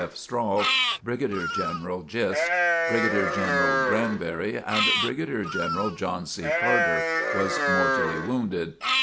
F. Strahl, Brigadier General Gist, Brigadier General Granberry and Brigadier General John C. Carter was mortally wounded.